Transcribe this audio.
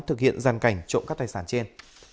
thực hiện gian cảnh trộm các tài sản trên